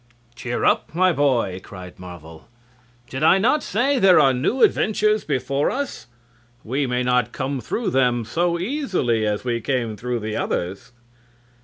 "Cheer up, my boy!" cried Marvel. "Did I not say there are new adventures before us? We may not come through them so easily as we came through the others."